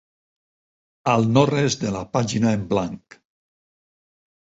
Al no-res de la pàgina en blanc.